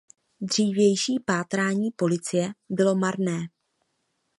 Dřívější pátrání policie bylo marné.